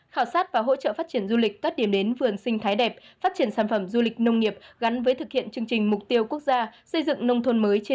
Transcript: khảo sát và hỗ trợ phát triển du lịch tắt điểm đến vườn sinh thái đẹp phát triển sản phẩm du lịch nông nghiệp gắn với thực hiện chương trình mục tiêu quốc gia xây dựng nông thôn mới trên địa bàn thành phố